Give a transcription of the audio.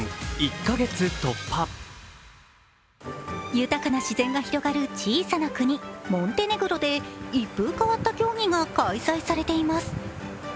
豊かな自然が広がる小さな国、モンテネグロで一風変わった競技が開催されています。